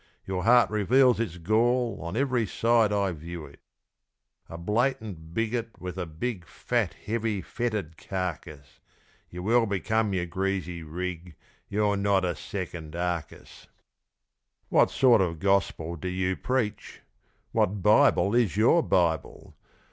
your heart reveals its gall On every side I view it. A blatant bigot with a big Fat heavy fetid carcass, You well become your greasy "rig" You're not a second Arcas. What sort of "gospel" do you preach? What "Bible" is your Bible?